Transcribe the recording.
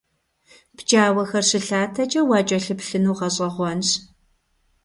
ПкӀауэхэр щылъатэкӀэ уакӀэлъыплъыну гъэщӀэгъуэнщ.